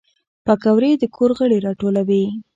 پکورې د کور غړي راټولوي